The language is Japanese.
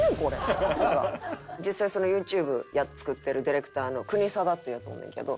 実際そのＹｏｕＴｕｂｅ作ってるディレクターのクニサダっていうヤツおるねんけど。